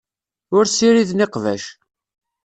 Ur ssiriden iqbac.